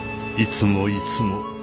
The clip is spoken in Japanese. いつもいつも。